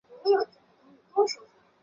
康帕尼亚克。